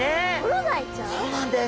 そうなんです。